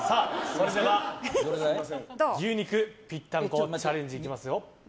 それでは、牛肉ぴったんこチャレンジ行きますよ？